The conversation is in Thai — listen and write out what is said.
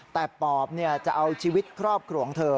แต่ปอบจะเอาชีวิตครอบครัวของเธอ